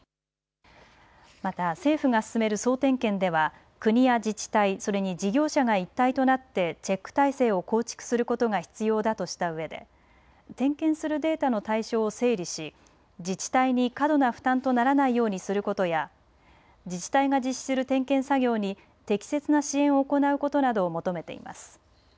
また政府が進める総点検では国や自治体、それに事業者が一体となってチェック体制を構築することが必要だとしたうえで点検するデータの対象を整理し自治体に過度な負担とならないようにすることや自治体が実施する点検作業に適切な支援を行うことなどを求めています。